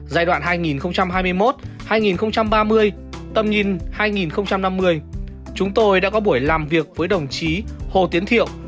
giai đoạn hai nghìn hai mươi một hai nghìn ba mươi tầm nhìn hai nghìn năm mươi chúng tôi đã có buổi làm việc với đồng chí hồ tiến thiệu